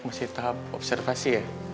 masih tahap observasi ya